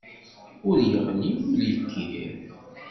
Ur yeɣli, ur yekkir.